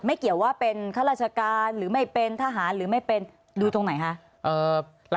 เกี่ยวว่าเป็นข้าราชการหรือไม่เป็นทหารหรือไม่เป็นดูตรงไหนคะ